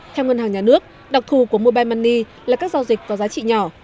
theo ngân hàng nhà nước đặc thù của mobile money là các giao dịch có giá trị nhỏ